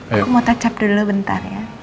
aku mau tacap dulu bentar ya